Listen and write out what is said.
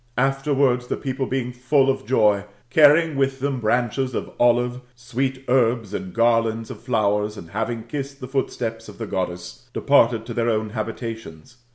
Afterwards, the people being full of joy^ carrying with them branches of olive, sweet herbs, and gar lands of flowers, and having kissed the footsteps of the (roddess, departed to their own habitations.